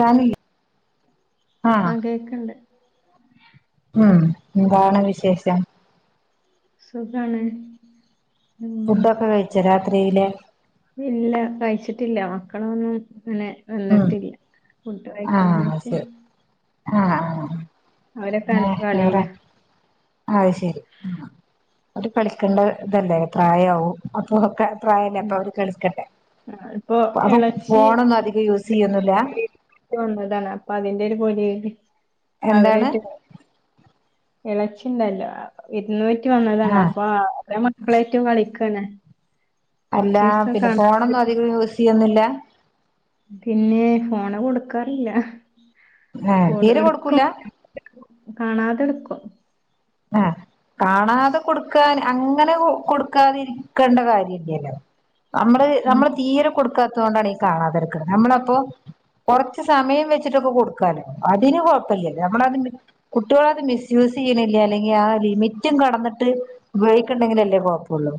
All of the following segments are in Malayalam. കാണില്ല ആ കേൾക്കണണ്ട് ആ എന്താണ് വിശേഷം സുഖാണ് ഉം ഫുഡ് ഒക്കെ കഴിച്ചോ രാ ത്രിയില് ഇല്ല കഴിച്ചിട്ടില്ല മക്കളൊന്നും അങ്ങനെ ഉം വന്നിട്ടില്ല ഫുഡ് കഴിക്കാനായിട്ട് ആ അവരൊക്കെ അകത്ത് കളീലാ അത് ശരി അവര് കളിക്കണ്ടേ ഇതല്ലേ പ്രായവാവും [unintelligible] ഇപ്പൊ അപ്പൊ ഇളച്ചി ഫോണൊന്നും അധികം യൂസ് ചെയ്യൊന്നുല്ല പെറ്റ് വന്നതാണ് അപ്പൊ അതിന്റെ ഒരു പൊലി എന്താണ് അവരായിട്ട് പോവും ഇളച്ചില്ലല്ലോ ഇരുന്നൂറ്റി പെറ്റ് വന്നതാണ് ആഹ് അപ്പൊ അതെ മാതിരി [unintelligible] കളിക്കാണ് അല്ലാ കൊറച്ചീസം പിന്നെ ഫോൺ കാണാത്ത ഒന്നും അധികം യൂസ് ചെയ്യൊന്നൂല്ല പിന്നെ ഫോൺ കൊടുക്കാറില്ല ഏഹ് ഫോൺ തീരെ ഇട്ക്കും കൊടുക്കൂല കാണാതെ ഇട്ക്കും ആ കാണാതെ കൊടുക്കാൻ അങ്ങനെ കൊടുക്കാതെ ഇരിക്കേണ്ട കാര്യല്ല്യല്ലോ അ നമ്മള് നമ്മള് തീരെ കൊടുക്കാ ദോണ്ടാണി കാണാതിരിക്ക്ണെ നമ്മളെപ്പോ കൊറച്ചു സമയം വെച്ചിട്ടൊക്കെ കൊടുക്കാ അതിന് കൊയപ്പല്യല്ലോ നമ്മളത് മി കുട്ടികൾ അത് മിസ്സ്യൂസ് ചെയ്യ്ണി ല്ലല്ലോ ലെങ്കി ആ ലിമിട്ടും കടന്നിട്ട് ഉപയോഗിക്ക്ണ്ടങ്കിൽ അല്ലെ കൊയപ്പോള്ളു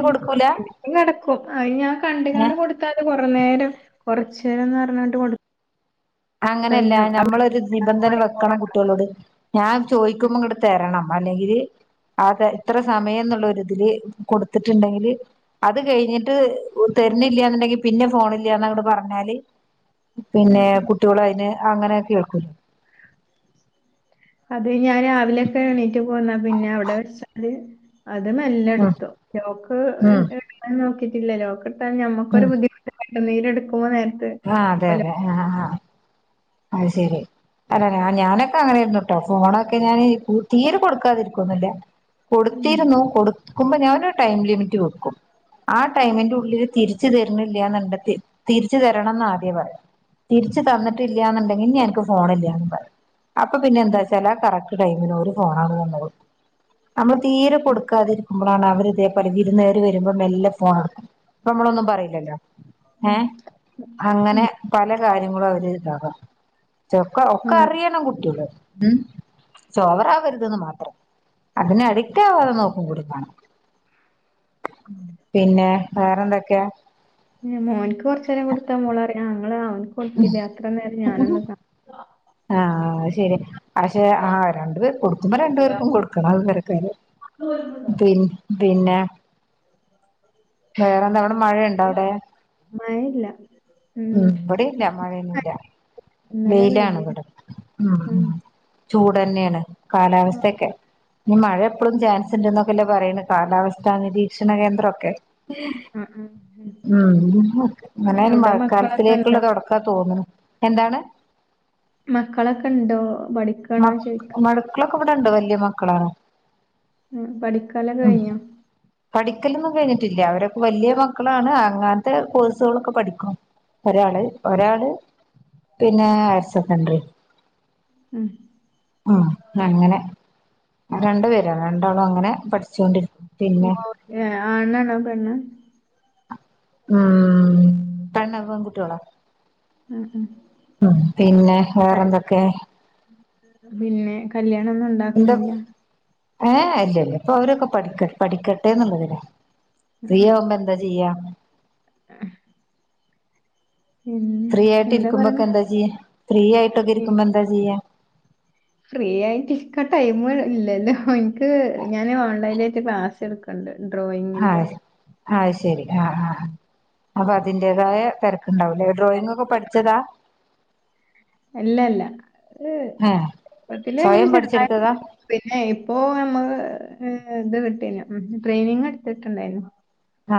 മ് ഇത് നടക്കും അയിന് ഞാൻ ഏ കണ്ട്ക്കാണ്ടാ കൊടുത്താൽ കുറെ നേരം കൊറച്ചു നേരംന്ന് പറഞ്ഞിട്ട് കൊടു അങ്ങനെല്ല നമ്മളൊരു ആ നിബന്ധന മണിക്കൂറാ വെക്കണം കണക്ക് കുട്ടികളോട് ഞാൻ ചോയിക്കുമ്പോ ഇങ്ങട്ട് തരണം അല്ലെങ്കി അതെ ഇത്ര സമയംന്നുള്ള ഒരുതിൽ കൊടുത്തിട്ടുണ്ടെകിൽ അത് കഴിഞ്ഞിട്ട് തരണ്ല്യാന്ന്ണ്ടെങ്കിൽ പിന്നെ ഫോണില്ലാന്ന് അങ്ങട്ട് പറഞ്ഞാല് ഉം പിന്നെ ഉം കുട്ടി അങ്ങനെ ഒക്കെ കേൾകുലേ അത് ഞാൻ രാവിലെക്കെ എണീറ്റ് പോന്നാ പിന്നെ അവിടെ വെച്ചാല് അത് മെല്ലെ ഉം ഇട്ത്തു ലോക്ക് ഉം ഇട്ണ് നോക്കി ഇല്ല ലോക്ക്ഡ് ട്ടാ ഞമ്മക്ക് ഉം ഒരു ബുദ്ധിമുട്ട്ല്ലേ. ആ നീരെടുക്കുമ്പോ നേര- ആ അതെ അതെ ആ ആഹ് അത് ശെരി അല്ല ഞാൻ ഒക്കെ അങ്ങനെ ആയിരുന്നുട്ടോ. ഫോൺ ഒക്കെ ഞാൻ തീരെ കൊടുക്കാതെ ഇരിയ്ക്കൊന്നൂല്യ ഉം കൊടുത്തിരുന്നു. കൊടുക്കുമ്പോ ഞാനൊരു ടൈം ലിമിറ്റ് വെക്കും. ആ ടൈമിന്റെ ഉള്ളില് തിരിച് രിച്ചു തരണില്യാന്നു ണ്ടത്തി തിരിച്ചു തരണമെന്ന് ആദ്യേ പറയും. തിരിച്ചുതന്നിട്ടി ന്നുണ്ടെങ്കി ഇനി അനക്ക് ഫോണില്യാന്നും പറയും. അപ്പൊ പിന്നെ ഉം എന്താച്ചാല് ആ കറക്റ്റ് ടൈമിന് ഓര് ഫോണങ്ങോട്ടു തന്നോളും. മ്മള് തീരെ ഉം കൊടുക്കാതിരുന്നാ മ്മളാണേ അവര് ഇതേ പടിതിയില് നിന്നേറി വരുമ്പോ മെല്ലെ ഫോണെടുക്കും. അപ്പൊ മ്മളൊന്നും പറയില്ല. ലല്ലോ. ഏ ഉം അങ്ങനെ ഉം പല കാര്യ നിങ്ങള് അവര് [unintelligible] ചൊക്കെ ഒക്കെ ആഹ് അറിയണം കുട്ട്യോള്. മ്മ് [unintelligible] ഓവറാവരുതെന്ന് മാത്രം. അതിന് അഡിക്റ്റ് ആവാതെ നോക്കും കൂടി വേണം. പിന്നെ വേറന്തെക്കയാ? പിന്നെ [unintelligible] കൊഴപ്പില്ല്യ. അത്ര നേരം ഞാനൊന്ന് ക ആഹ് അത് ശരി. അശേ ആ രണ്ട് പേർ കൊടുക്കുമ്പോ രണ്ടുപേർക്കും കൊടുക്കണം അത് വേറെ കാര്യം. കാ പി പിന്നേ വേറെന്താ അവിടെ മഴയൊണ്ടോ അവിടെ? മഴയില്ല മ് ഉം ഇവിടെയില്ല മഴയൊന്നും ഇല്ല ഇന്നലെ വെയിലാണ് പെയ്തിന് ഇവ മ് ഉം മ് ചൂടന്നെയാണ്. കാലാവസ്ഥയൊക്കെ ഇന്ന് മഴ എപ്പളും ചാൻസ് ഉണ്ടന്നക്കല്ലേ പറയുന്നേ കാലാവസ്ഥ നിരീക്ഷണ കേന്ദ്രൊക്കെ ആഹ് ആഹ് മ്മ് ഇങ്ങനെ ഇനി അവിടെ മക്കളൊക്കെ മഴക്കാലത്തിലേക്കുള്ള ഉണ്ടോ തൊടക്കാ തോന്നണു. എന്താണ്? മക്കളൊക്കെണ്ടോ? മക് മഴക്കളൊക്കെ ഇവടുണ്ട്. വല്യ മക്കളാണ്. ഉം പഠിക്കലൊക്കെ മ് കഴിഞ്ഞോ പഠിക്കലൊന്നും കഴിഞ്ഞി ട്ടില്ല അവരൊക്കെ വല്ല്യ മക്കളാണ് അങ്ങൻത്തെ കോഴ്സുകളൊക്കെ പഠിക്ക്ണു ഒരാള് ഒരാള് പിന്നേ ഹയർസെക്കന്ററി ഉം അഹ് ന്നങ്ങനെ രണ്ട് പേരാണ് രണ്ടാളും അങ്ങനെ പഠിച്ചോണ്ടിരി ഓക്കേ ആണാണോ പെണ്ണ് ആഹ് തന്നെ പെൺകുട്ട്യേളാ ഉം ഉം പിന്നെ വേറെന്തൊക്കെ പിന്നെ കല്യാണം ഒന്നും ഉണ്ടാ എന്താ നോക്ക്ണില്ല ഏഹ് എ ഇല്ല്യ ല്ല്യ ഇപ്പ അവരൊക്കെ പഠിക്ക പഠിക്കട്ടേന്ന്ള്ള ഇതിലാ ഉം ഫ്രീ ഉം ആവുമ്പോ എന്താ ചെയ്യാ പിന്നെ ഫ്രീയായിട്ട് എന്താ ഇരിക്കുമ്പൊക്കെ പറയണെ എന്താ ചെയ്യാ ഫ്രീ ആയിട്ടൊക്കെ ഇരികുമ്പം എന്ത ച്ചെയ്യ ഫ്രീയായിട്ട് ഇരിക്കാ ടൈമ് ഇല്ലലോ ഇൻക്ക് ഞാന് ഓൺലൈനായിട്ട് ക്ലാസ്സ്‌ എടുക്ക്ണ്ട് ഡ്രോയിങ്ങിന്റെ അയ്‌ ശരി അപ്പൊ അതിന്റെതായ തെരക്ക ണ്ടാവും ലെ ഡ്രോയിങ് ഒക്കെ പഠിച്ചതാ? അല്ല അല്ല എഹ് ഏഹ് കൊച്ചിലെഇങ്ങനെ സ്വയം ചെറുതായിട്ട് പഠിച്ചെടുത്തതാ പിന്നെ ഇപ്പൊ നമ്മള് ട്രെയിനിങ് എടുത്തിട്ടുണ്ടായിനു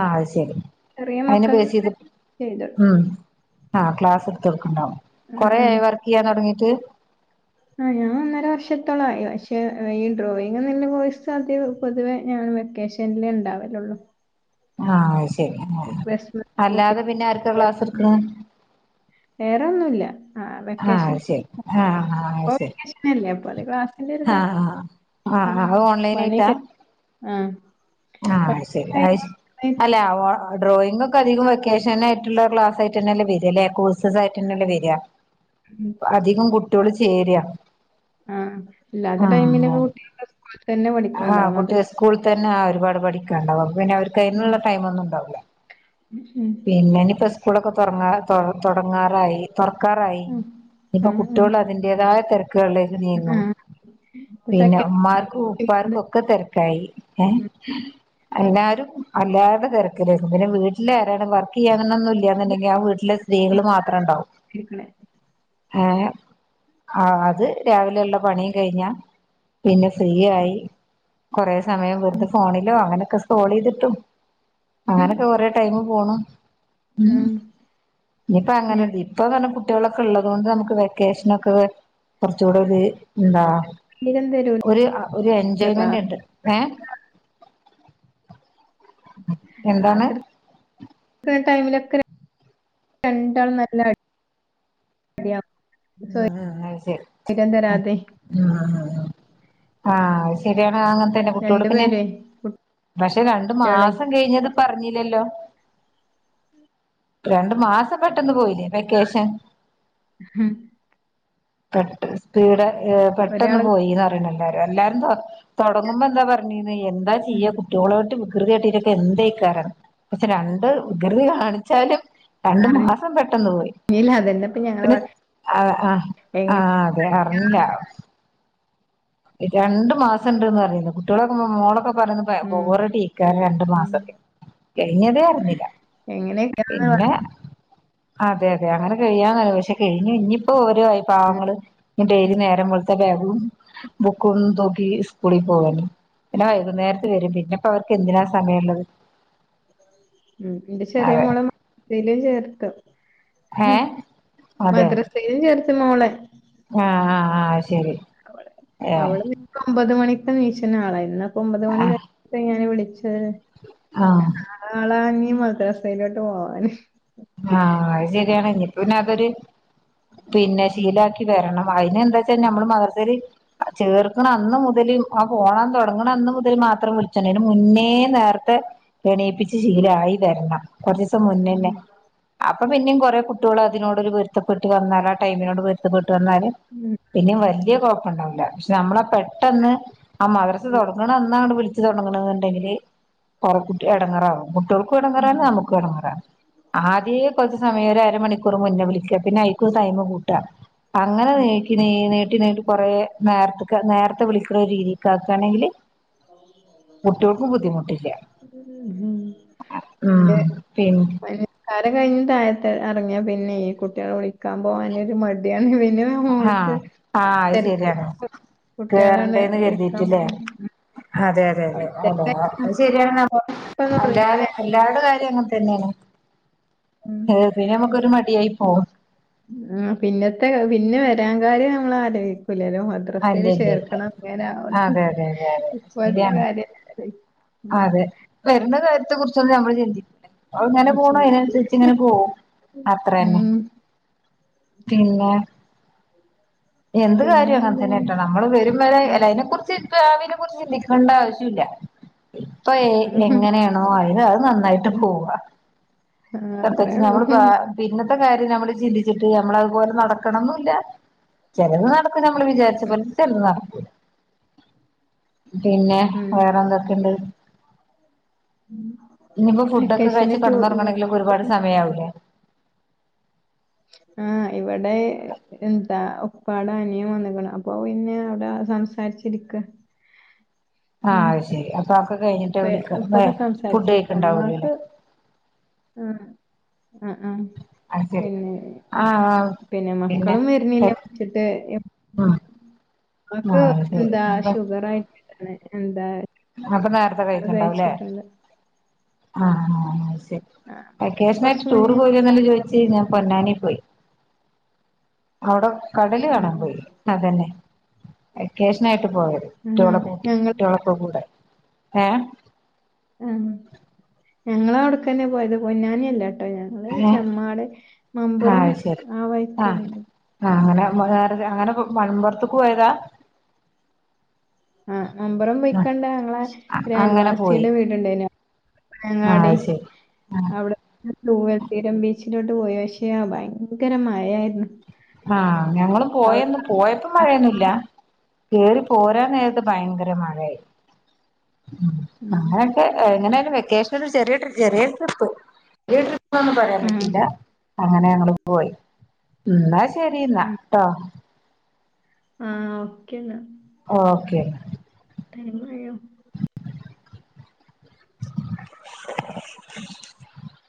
ആ അത് ശരി ചെറിയ അതിനെ ബേസ് മക്കൾക്കൊക്കെ ചെയ്ത് കൊടുക്കും ആ ക്ലാസ്സ്‌ എടുത്തൊട്ക്കും കൊറെ ആയോ വർക്ക്‌ ചെയ്യാൻ തൊടങ്ങീട്ട് ആ ഞാനൊന്നര വർഷത്തോളായി പക്ഷെ ഈ ഡ്രോയിങ് ന്ന്ള്ള കോഴ്സ് പൊതുവെ വെക്കേഷന് ഇണ്ടാവലൊള്ളൂ ആ പൂട്ടി അല്ലാതെ പിന്നെ ആർക്കാ ക്ലാസ്സ്‌ എടുക്ക്‌ണത് വേറൊന്നുല്ല. ആഹ് ആ വെക്കേഷൻ ശെരി ആ ആ അത് ഇപ്പൊ ശെരി വെക്കേഷനല്ലേ അപ്പൊ അത് ക്ലാസ്സിന്റെ ഒരു ആ തെരക്ക്. ആ ആ അത് ഓൺലൈൻ ആയിട്ടാ ആ ആ അയ്‌ ശരി അയ് അല്ല കഴിഞ്ഞ് [unintelligible] ഡ്രോയിങ് ഒക്കെ അധികം വെക്കേഷനായ്ട്ട്ള്ള ക്ലാസ്സ്‌ ആയിട്ടന്നെല്ലേ വരാ കോഴ്സസ് ആയിട്ടന്നല്ലേ വരാ ഉം അതികം കു [unintelligible] ചേര ആ അല്ലാത്ത ടൈമില് [unintelligible] ആ കുട്ട്യ സ്കൂൾതന്നെ ആ ഒരുപാട് പടിക്കാണ്ടാവും പിന്നെ ഓര്ക്ക് ഉം അയിനുള്ള ടൈമൊന്നും ഉണ്ടാവൂല്ല ഉം പിന്നെ ഇഞ്പ്പോ സ്കൂളൊക്കെ തൊർങ്ങാ തൊ തൊടങ്ങാറായി തൊറക്കാറായി ഇനിപ്പോ ഉം ഉം ഉം കുട്ട്യോള് അതിന്റെതായ തെര ക്ക്കളിലേക്ക് നീങ്ങും ആഹ് ഇപ്പൊ പിന്നെ ചെക്കന്മാര് ഉമ്മാർക്കും ഇപ്പാർക്കും ഇരിക്കണേ ഒക്കെ തിരക്കായി എ അല്ലാരും അല്ലാര്ടെ തിരക്കിലേക്കും പിന്നെ വീട്ടിലാരാണ് വർ ക്കെയ്യ അങ്ങനൊന്നുല്ല്യ എന്ന് ണ്ടെങ്കിൽ ആ വീട്ടില് സ്ത്രീകൾ മാത്രണ്ടാവും എഹ് ആ അത് രാവിലെയുള്ള പണിം കൈഞ്ഞ പിന്നെ ഫ്രീയായി കൊറേ സമയം വെറുതെ ഫോണിലോ അങ്ങനെ ക്ക സോളെയ്തിട്ടും അങ്ങനെക്കെ കുറെ ടൈമ് പോണ് ഉം ഇഞ്പ്പങ്ങനല്ലാ ഞാൻ ഇപ്പം [unintelligible] കുട്ടിയേൾ ഒക്കെ ഉള്ളതുകൊണ്ട് നമുക്ക് വെക്കേഷൻ ഒക്കെ കുറച്ചൂടെ ഒര് എന്താ തീരം തരൂല ഒരു ഒരു എൻ ജോയ് ക്ലാസ് മൻ്റ്ണ്ട് എന്താണ് സ്സെടുക്കുന്ന ടൈമില് ക്കെ രണ്ടാളും [unintelligible] നല്ല അടിയാകും ആ അത് ശരി തരാതെ അ ആഹാഹ ആ, ശരിയാ ആ അങ്ങനെ തന്നെ കുട്യോള് രണ്ടു പിന്നെ, പേരെ പക്ഷേ കുട്ടികളെ രണ്ടുമാസം കഴിഞ്ഞത് ഇപ്പർഞ്ഞില്ലല്ലോ രണ്ടുമാസം പെട്ടെന്ന് പോയില്ലേ, വെക്കേഷൻ ഉഹും പെട്ട് സ്പീഡ് ഏ പെട്ടെന്ന് ഒരാള് പോയി ന്ന് പറിണ് എല്ലാരും എല്ലാരും തൊടങ്ങുമ്പോ എന്താ പറഞ്ഞീ ന്നെ എന്താ ഉം. ചെയ്യാ കുട്യോളായിട്ട്. കൃതി കാട്ടീട്ടൊക്കെ എന്തേക്കാരം പക്ഷേ രണ്ട് വികൃതി കാണിച്ചാലും. രണ്ട് മാസം പെട്ടെന്ന് പോയി, അറിഞ്ഞില്ല അതന്നെപ്പൊ ഞങ്ങള് പിന്നെ സ് പറ- ആ, ആ എങ്ങനെ അതെ, അറിഞ്ഞില്ല രണ്ടുമാസം ഉണ്ട് ന്നു പറഞ്ഞീന്നു കുട്ടിയേളൊക്കെ മോളൊ ക്കെ പർഞ്ണ് ഉം ബോറടിയേക്കാരം രണ്ടുമാസൊക്കെ കെഴിഞ്ഞതേ അർഞ്ഞില എങ്ങനെയൊക്കെയാ പിന്നെ അതെ, അതെ അങ്ങനെ കയ്യാന്നാ ചോയ്ച്ചെ കയ്ഞ് ഇഞ്ഞിപ്പോ ഓൽ പാവങ്ങള് ഡെയിലി നേരം വെളുത്ത് ബാഗും ബുക്കും തൂക്കി സ്കൂളിൽ പോവല്ലോ, പിന്നെ വൈകുന്നേരത്ത് വരും, പിന്നെ അവർക്ക് എന്തിനാ സമയമുള്ളത്. ഉം, എന്റെ ചെറിയ അതെ മോളെ എൽ കെ ജി ലും ചേർത്തു, ഏ മദ്രസയിലും ചേർത്തു. [unintelligible] മോളെ ആ, ആ അവിടുന്നിപ്പം ഒൻപതു മണി [unintelligible] ഒമ്പത്‌ ആഹ് മണിവരെ ഞാൻ ഇവിടെ ഇരിക്കും ആഹ് [unintelligible] മദ്രസയിലോട്ട് പോവാൻ ആ, അത് ശരിയാണ് പിന്നെ അതൊരു, പിന്നെ ശീലാക്കി വരണം, അതിനെന്താന്ന് വെച്ച നമ്മള് മദ്രസെല് ചേർക്കണ അന്ന് മുതല് ആ ഫോളം തുടങ്ങുന്ന അന്നു മുതല് മാത്രം വിളിച്ച അതിനു മുന്നേ നേരത്തെ എണീപ്പിച്ച് ശീലായി വരണം, കുറച്ചു ദിവസം മുന്നേന്നെ അപ്പോ പിന്നെയും കുറെ കുട്ടികൾ അതിനോട് ഒരു പൊരുത്തപ്പെട്ട് വന്ന് ആ ടൈമിനോട് പൊരുത്ത വന്നാൽ പിന്നെ വല്യയ കുഴപ്പം ഉണ്ടാകില്ല പക്ഷേ നമ്മളാ പെട്ടെന്ന് ആ മദ്രസ തൊടങ്ങ്ണന്ന് ആ വിളി [unintelligible] തൊടങ്ങ്ണന്ന്ണ്ടങ്കില് റെ കുട്ടി എടങ്ങേറാകും അവർക്കും എടങ്ങേറാണ് നമുക്കും എടങ്ങേറാണ് ഒരേ കുറച്ച്സമയം വരെ അര മണിക്കൂർ മുന്നേ വിളിക്കുക പിന്നെ അയിക്കൊരു ടൈം കൂട്ട അങ്ങനെ നീക്കി നീട്ടി നീട്ടി നീട്ടി കുറെ നേരത്ക് നേരത്തെ വിളിക്കുന്ന രീതിക്കാണെങ്കിൽ കുട്ടികൾക്കും ബുദ്ധിമുട്ടില്ല ഉം പിൻ കാര്യം കയിഞ്ഞ് നേരത്തെ ഇറങ്ങിയാൽ പിന്നെ ഈ കുട്ടികളെ വിളിക്കാൻ പോകാനൊരു മടിയാണ് ന്റെ ആഹ് മോൾക്ക് ആഹ് അത് തെര്ക്ക് ശരിയാണ് കുട്ട്യേളാണ്ട് കേറണ്ടേന്ന് വിളിക്കാൻ കരുതിയിട്ടില്ലേ പോവാ അതെ അതെ അതെ അത് ശരിയാണ് എല്ലാ പോണ എല്ലാവരുടെയും കാര്യത്ത ക്കെ അങ്ങനത്തന്നാണ് പിന്നെ നമുക്കൊരു മടിയായി ഓ ആ പിന്നെത്തേ പിന്നെ വരാൻ കാര്ര്യംനമ്മളറീ ക്കൂലല്ലോ അല്ല മദ്രസയിൽ ഇല്ല ഇല്ല ചേർക്കണം അതെ [unintelligible] അതെ അതെ ഇതുപോലത്തെ കാര്യം ഉം അതേ വരണ നേരത്തെ കുറിച്ചൊന്നും നമ്മൾ ചിന്തി അതിങ്ങനെ പോകണേ അതിനനുശരിച്ച് ഇങ്ങനെ പോകും അത്ര തന്നെ ഉം [unintelligible] എന്ത് കാര്യമാ പിന്നെന്താണ് [unintelligible] നമ്മൾ വരും വരായ്ക ഉം. അതിനെ കുറിച്ച് ഭാവിയിനെ കുറിച്ച് ചിന്തിക്കണ്ട ആവശ്യമില്ല ഇപ്പോ ഏ എങ്ങനെയാണോ അത് നന്നായിട്ട് പോകുക ആ അത്രേ പ്രത്യേകിച്ച് ഉള്ളൂ ഞങ്ങൾ ബേ പിന്നെ ഒറ്റ കാര്യം നമ്മൾ ചിന്തിച്ചിട്ട് നമ്മളതുപോലെ നടക്കണമെന്നില്ല ചിലത് നട നമ്മൾ വിചാരിച്ച പോലെ ചിലത് നടക്കൂല പിന്നെ ഉം വേറെ എന്തൊക്കെ യുണ്ട് ഇനി ഇപ്പോ ഫുഡ് ഒക്കെ കഴിച്ച് വെക്കേഷന് ടൂ കിടന്നുറങ്ങണമെങ്കിൽ ഒക്കെ ഒരു പാട് സമയം ആ കൂലേ ആ ഇവിടെ എന്താ ഉപ്പായുടെ അനിയൻ വന്നിരിക്കണ് അപ്പോ ഇനി അതാ സംസാരിച്ചിരിക്കാം ആ അതുശരി അപ്പൊ അതൊക്കെ കഴിഞ്ഞിട്ട് ഉപ്പ വിളിക്കു ഉപ്പൊക്കെ ഫുഡ് സംസാരിച്ചിരിക്ക കഴികൊണ്ടാവൂ അല്ലേ ഉമ്മാക്ക് ആ ആ അത് ശരി പിന്നെ ആഹ് പിന്നെ മക്കളും വരുന്നില്ല വിളിച്ചിട്ട് ഉം നമുക്ക് ആഹ് ശരി എന്താ അപ്പൊ ഷുഗറായി എന്താ മോക്ക് നേരത്തെ അത് വെയ്റ്റ് ഉണ്ടാകുമല്ലേ [inaudible] കഴിച്ചിട്ടുണ്ട് [unintelligible] ആഹ് വെക്കേഷൻ ആയിട്ട് കൊറച്ച് ടൂർ മുന്നേ പോയില്യോന്ന് അല്ലേ ചോദിച്ചിരുന്നത് പൊന്നാനി പോയി അവിടെ കടല് കാണാൻ ആഹ് പോയി അതന്നെ വെക്കേഷനാ യിട്ട് പോയത് ആഹ് കുട്ടികളെ കൂട്ടി ഞങ്ങൾ കുട്ടികളൊക്കെ കൂടെ ഏ ഉം. ഞങ്ങളും അവിടെക്കുന്നെ ആണ് പോയത്. പൊന്നാനി അല്ലേ ആ ഞങ്ങള് ഏ ചെമ്മാട്, ആ മംപുറം ആ വഴിക്കങ്ങനെ മ്മാറര അങ്ങനെ മലംപുറത്തക്ക് പോയതാ ആ മലംപുറം പോയി കണ്ട ഞങ്ങള് ഒരു അങ്ങനെ പോയി അയൽവാസിയുടെ വീടുണ്ടായിരുന്നു. ആ ഞങ്ങളവിടെ അത് ശരി ആ അവിടെ [unintelligible] ബീച്ച് മുന്നോട്ട് പോയി പക്ഷേയാ ഭയങ്കര മഴയായിരുന്നു. ആ ഞങ്ങളും അവിടെ പോയാരുന്നു. പോയപ്പം മഴയൊന്നുമില്ല കേറിപോരാൻനേരത്ത് ഭയങ്കര മഴയായിരുന്നു ഉം നമ്മളൊക്കെ [unintelligible] വെക്കേഷന് ഒരു ചെറിയ ചെറിയ ട്രിപ്പ് ചെറിയ പമ്പരം ആ കിട്ടിയില്ല അങ്ങനെ ഞങ്ങള് പോയി. എന്നാ ശരിയെന്നാൽ ഉം. ട്ടോ ആ ഓക്കെ എന്നാൽ ഓക്കെ എന്നാ ടൈം ആയോ?